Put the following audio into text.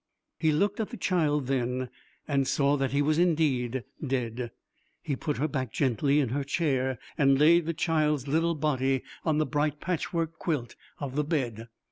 He looked at the child then and saw that he was indeed dead. He put her back gently in her chair, and laid the child's little body on the bright patchwork quilt of the bed.